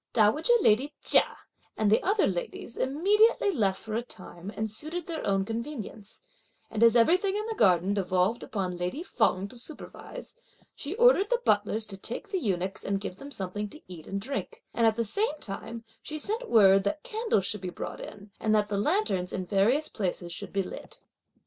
Dowager lady Chia and the other ladies immediately left for a time and suited their own convenience, and as everything in the garden devolved upon lady Feng to supervise, she ordered the butlers to take the eunuchs and give them something to eat and drink; and at the same time, she sent word that candles should be brought in and that the lanterns in the various places should be lit.